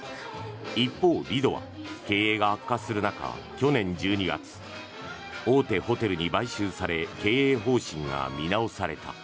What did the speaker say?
一方、リドは経営が悪化する中去年１２月大手ホテルに買収され経営方針が見直された。